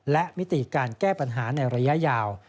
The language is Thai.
และมิติการแก้ปัญหาในระยะยาว